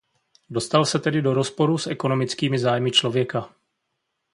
Dostal se tedy do rozporu s ekonomickými zájmy člověka.